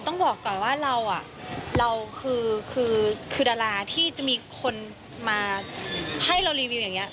ต้องบอกก่อนว่าเราคือดาราที่จะมีคนมาให้เรารีวิวอย่างนี้